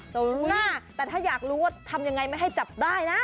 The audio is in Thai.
แต่ถ้าอยากรู้ว่าทำยังไงไม่ให้จับได้นะ